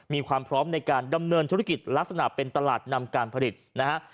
มีความพร้อมในการดำเนินธุรกิจลักษณะเป็นตลาดนำการผลิตนะฮะ